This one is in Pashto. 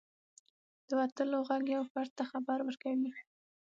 • د وتلو ږغ یو فرد ته خبر ورکوي.